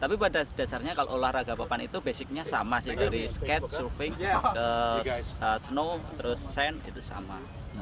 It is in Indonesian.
tapi pada dasarnya kalau olahraga papan itu basicnya sama sih dari skate surfing snow terus sand itu sama